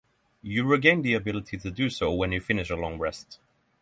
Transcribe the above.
You regain the ability to do so when you finish a long rest.